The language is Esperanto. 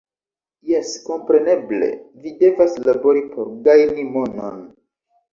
Jes kompreneble ni devas labori por gajni monon